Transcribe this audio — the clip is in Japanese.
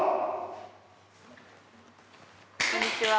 こんにちは。